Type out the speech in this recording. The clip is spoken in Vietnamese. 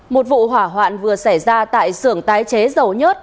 một vụ hỏa hoạn vừa xảy ra tại sưởng tái chế dầu nhớt